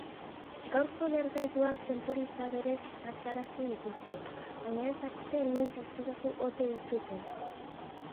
Gaurko lehergailuak tenporizadorez zartarazi dituzte, baina ez dakite noiz aktibatu ote ditzuten.